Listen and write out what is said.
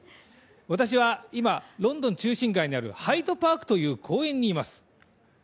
私は今、ロンドン中心街にあるハイド・パークという公園にいます。